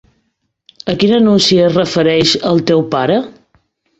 A quin anunci es refereix el el teu pare?